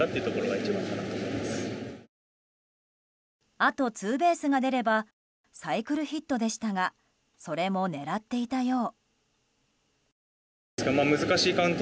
あとツーベースが出ればサイクルヒットでしたがそれも狙っていたよう。